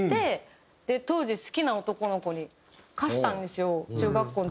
で当時好きな男の子に貸したんですよ中学校の時。